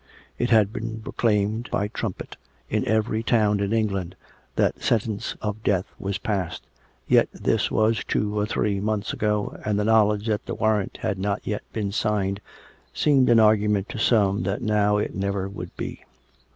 It had been proclaimed, by trumpet, in every town in England, that sentence of death was passed; yet this was two or three months ago, and the knowledge that the warrant had 825 326 COME RACK! COME ROPE! not yet been signed seemed an argument to some that now it never would be.